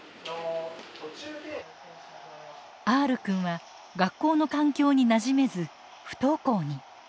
Ｒくんは学校の環境になじめず不登校に。